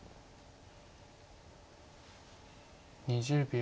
２０秒。